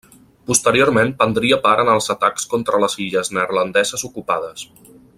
Posteriorment prendria part en els atacs contra les illes neerlandeses ocupades.